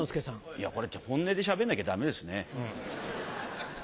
いやこれ本音で喋んなきゃダメですね。